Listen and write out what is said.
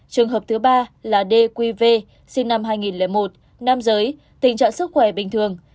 trường hợp thứ ba là dqv sinh năm hai nghìn một nam giới tình trạng sức khỏe bình thường